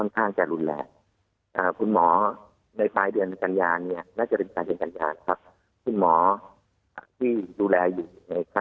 ถ้าจะมีการผ่าตัดเชื่อยุติปัญหา